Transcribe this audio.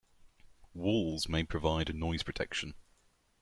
Walls may provide noise protection.